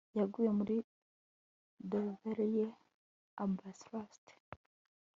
Yaguye muri reverie abstract